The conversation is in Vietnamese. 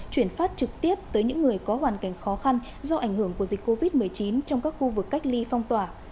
chuyển phát trực tiếp tới những người có hoàn cảnh khó khăn do ảnh hưởng của dịch covid một mươi chín trong các khu vực cách ly phong tỏa